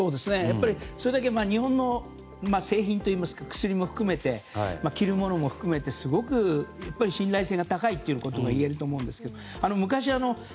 それだけ日本の製品といいますか薬も含めて、着るものも含めてすごくやっぱり信頼性が高いということがいえると思うんですよ。